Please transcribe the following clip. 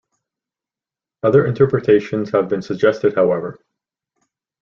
Other interpretations have been suggested however.